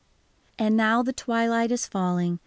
And now the twilight is falling.